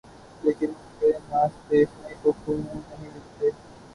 لیکن ان پہ ناچ دیکھنے کو کیوں نہیں ملتے؟